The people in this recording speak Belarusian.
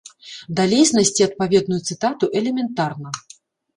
Далей знайсці адпаведную цытату элементарна.